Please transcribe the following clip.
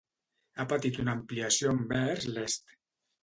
Ha patit una ampliació envers l'est.